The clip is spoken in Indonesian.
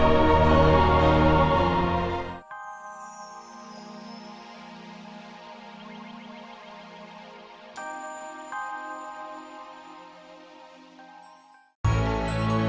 iya pa aku nggak mau rena jadi korban semua